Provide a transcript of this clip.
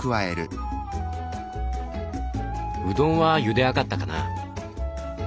うどんはゆで上がったかな？